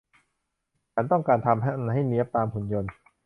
ฉันต้องการทำมันให้เนี๊ยบตามหุ่นยนต์